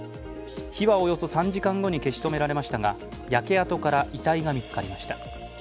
火はおよそ３時間後に消し止められましたが、焼け跡から遺体が見つかりました。